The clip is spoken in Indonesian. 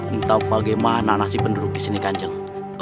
entah bagaimana nasib penduduk disini kanjeng